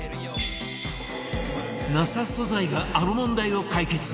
ＮＡＳＡ 素材があの問題を解決！